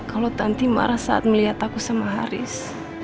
kalo tanti marah saat melihat aku sama haris